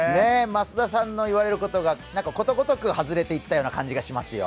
増田さんの言われることがことごとく外れていった気がしますよ。